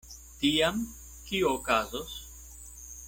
Tiam kio okazos?